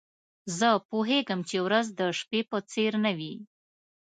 زه پوهیږم چي ورځ د شپې په څېر نه وي.